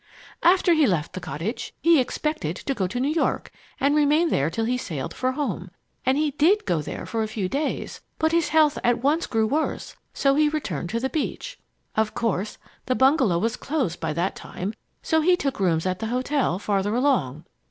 "After he left the cottage, he expected to go to New York and remain there till he sailed for home. And he did go there for a few days, but his health at once grew worse, so he returned to the beach. Of course, the bungalow was closed by that time, so he took rooms at the hotel, farther along.